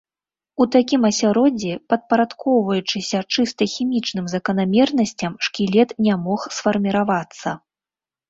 У такім асяроддзі, падпарадкоўваючыся чыста хімічным заканамернасцям, шкілет не мог сфарміравацца.